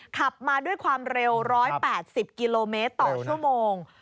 ขับมาด้วยความเร็ว๑๘๐กิโลเมตรต่อชั่วโมง